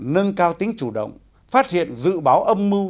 nâng cao tính chủ động phát hiện dự báo âm mưu